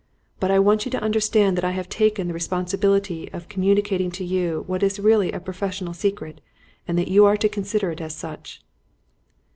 But I want you to understand that I have taken the responsibility of communicating to you what is really a professional secret, and that you are to consider it as such."